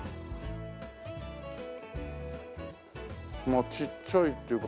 まあちっちゃいっていうか。